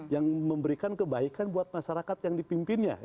yang memberikan kebaikan buat masyarakat yang dipimpinnya